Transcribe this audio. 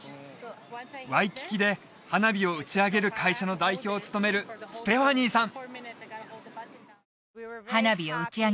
ワイキキで花火を打ち上げる会社の代表を務めるステファニーさん